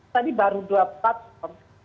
tadi baru dua platform